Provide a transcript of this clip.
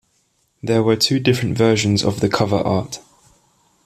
There were two different versions of the cover art.